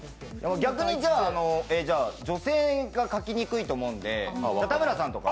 逆に女性が描きにくいと思うので田村さんとか。